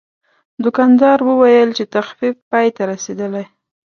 دوکاندار وویل چې تخفیف پای ته رسیدلی.